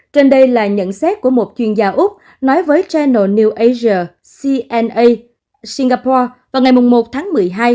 kênh đây là nhận xét của một chuyên gia úc nói với chainal new asia cna singapore vào ngày một tháng một mươi hai